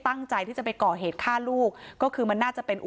พระเจ้าที่อยู่ในเมืองของพระเจ้า